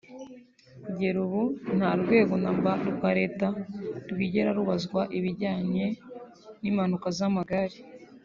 Kugeza ubu nta rwego namba rwa leta rwigera rubazwa ibijyanye n’impanuka z’amagare